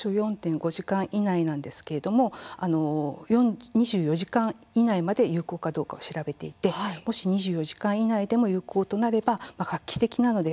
今は発症後４．５時間以内ですが２４時間以内まで有効かどうかを調べていてもし２４時間以内まで有効となれば画期的なことです。